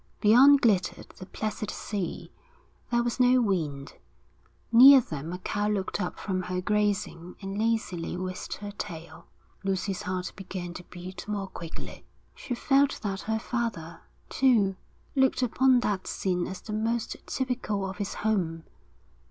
Beyond glittered the placid sea. There was no wind. Near them a cow looked up from her grazing and lazily whisked her tail. Lucy's heart began to beat more quickly. She felt that her father, too, looked upon that scene as the most typical of his home.